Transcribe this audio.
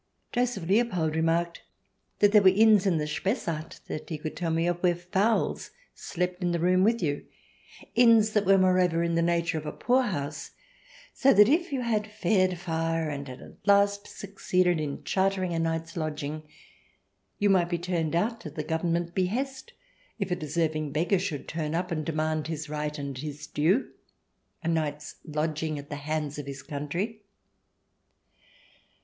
Joseph Leopold remarked that there were inns in the Spessart that he could tell me of where fowls slept in the room with you — inns that were, moreover, in the nature of a poorhouse, so that if you had fared far and had at last succeeded in chartering a night's lodging, you might be turned out at the Government behest, if a deserving beggar should turn up and demand his right and his due — a night's lodging at the hands of his country.